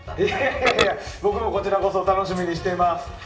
いやいや、僕も、こちらこそ楽しみにしています。